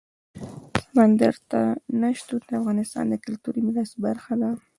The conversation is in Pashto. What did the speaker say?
سمندر نه شتون د افغانستان د کلتوري میراث برخه ده.